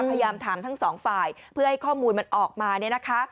พยายามถามทั้งสองฝ่ายเพื่อให้ข้อมูลมันออกมาเนี่ยนะคะ